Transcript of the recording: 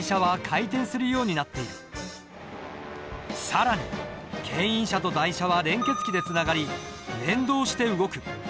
更に牽引車と台車は連結器でつながり連動して動く。